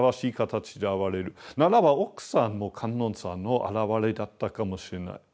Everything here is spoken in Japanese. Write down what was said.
ならば奥さんも観音さんのあらわれだったかもしれない。